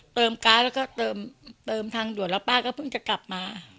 การ์ดแล้วก็เติมทางด่วนแล้วป้าก็เพิ่งจะกลับมา